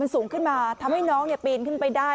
มันสูงขึ้นมาทำให้น้องเนี้ยปีนขึ้นไปได้